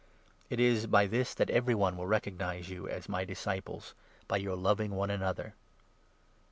It is by this that every one will recognize you as my 35 disciples — by your loving one another."